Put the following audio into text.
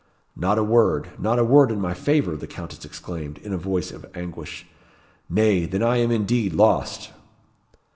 "Not a word not a word in my favour," the Countess exclaimed, in a voice of anguish. "Nay, then I am indeed lost!"